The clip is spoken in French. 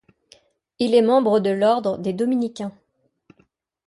Il est membre de l'ordre des dominicains.